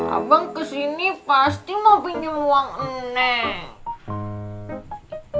abang kesini pasti mau pinjem uang enek